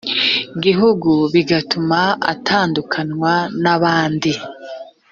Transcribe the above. gihugu bigatuma atandukanywa n abandi